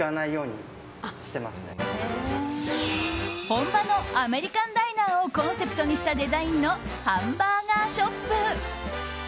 本場のアメリカンダイナーをコンセプトにしたデザインのハンバーガーショップ。